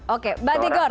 oke mbak tigor